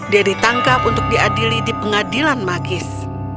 dia ditangkap untuk diadili di pengadilan magis